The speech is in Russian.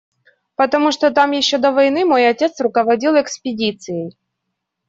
Потому что там еще до войны мой отец руководил экспедицией.